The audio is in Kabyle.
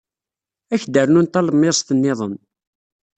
Ad ak-d-rnun talemmiẓt niḍen.